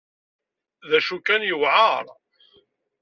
D acu kan, yewɛer.